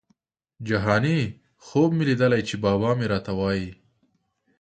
جهاني خوب مي لیدلی چي بابا مي راته وايی